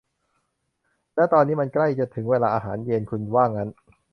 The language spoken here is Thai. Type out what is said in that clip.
และตอนนี้มันใกล้จะถึงเวลาอาหารเย็น คุณว่างั้น ?